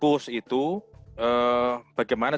push itu bagaimana